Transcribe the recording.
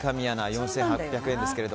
４８００円ですが。